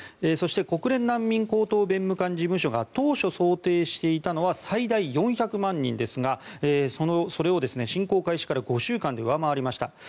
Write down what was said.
そして国連難民高等弁務官事務所が当初想定していたのは最大４００万人ですがそれを侵攻開始から５週間で上回りました。